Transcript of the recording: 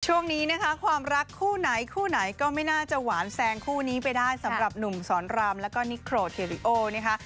ช่วงนี้นะคะความรักคู่ไหนคู่ไหนก็ไม่น่าจะหวานแซงคู่นี้ไปได้สำหรับหนุ่มสอนรามแล้วก็นิโครเทริโอนะคะ